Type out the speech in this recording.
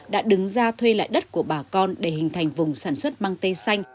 đã đứng ra thuê lại đất của bà con để hình thành vùng sản xuất mang tây xanh